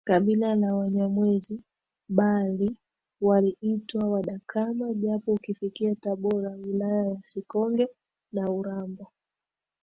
kabila la Wanyamwezi bali wanaitwa Wadakama Japo ukifika Tabora wilaya ya Sikonge na Urambo